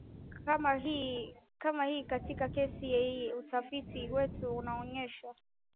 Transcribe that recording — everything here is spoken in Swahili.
kama hii Katika kesi hii utafiti wetu unaonyesha